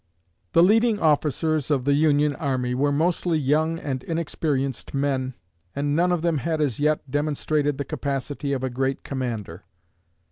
The leading officers of the Union army were mostly young and inexperienced men, and none of them had as yet demonstrated the capacity of a great commander.